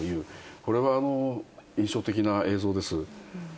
これは印象的な映像です。